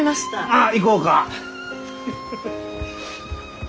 ああ行こうか。